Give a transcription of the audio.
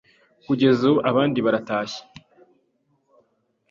Kugeza ubu, abandi baratashye